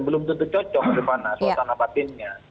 belum tentu cocok ke depan suasana batinnya